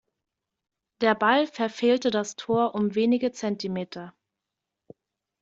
Der Ball verfehlte das Tor um wenige Zentimeter.